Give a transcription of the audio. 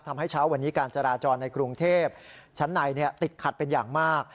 เช้าวันนี้การจราจรในกรุงเทพชั้นในติดขัดเป็นอย่างมาก